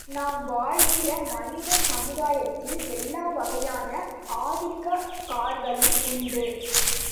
நாம் வாழுகிற மனித சமுதாயத்தில் எல்லாவகையான ஆதிக்கக் காரர்களும் உண்டு.